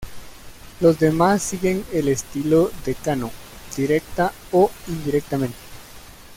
Los demás siguen el estilo de Cano, directa o indirectamente.